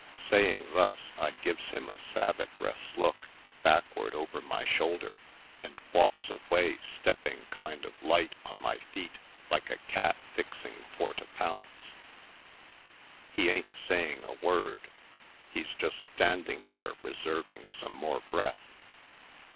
Saying thus I gives him a savigrous look backward over my shoulder and walks away stepping kind of light on my feet like a cat fixing for to pounce. He ain't saying a word; he's just standing there reserving some more breath.